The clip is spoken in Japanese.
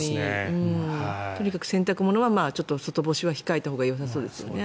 とにかく洗濯物は外干しは明日は控えたほうがよさそうですね。